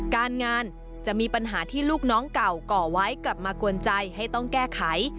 การงานจะมีปัญหาที่ลูกน้องเก่าก่อไว้กลับมากวนใจให้ต้องแก้ไข